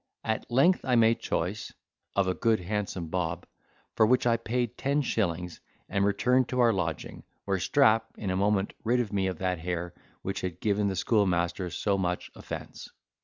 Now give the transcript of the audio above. At length I made choice (if a good handsome bob), for which I paid ten shillings, and returned to our lodging, where Strap in a moment rid me of that hair which had given the schoolmaster so much offence.